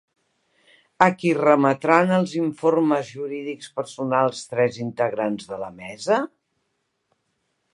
A qui remetran els informes jurídics personals tres integrants de la mesa?